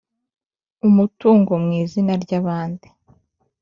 Umutungo Mu Izina Ry Abandi